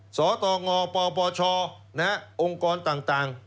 สตงปปชองค์กรต่าง